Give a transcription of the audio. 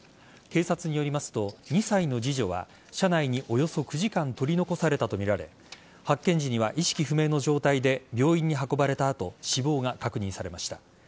警察によりますと、２歳の次女は車内に、およそ９時間取り残されたとみられ発見時には意識不明の状態で病院に運ばれた後死亡が確認されました。